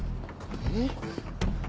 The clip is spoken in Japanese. えっ？